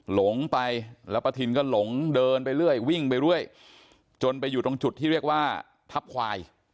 หลงไปแล้วประทินก็หลงเดินไปเรื่อยวิ่งไปเรื่อยจนไปอยู่ตรงจุดที่เรียกว่าทัพควาย